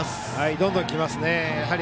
どんどんきますね。